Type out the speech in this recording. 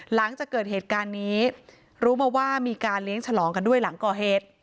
หลังจากเกิดเหตุการณ์นี้รู้มาว่ามีการเลี้ยงฉลองกันด้วยหลังก่อเหตุ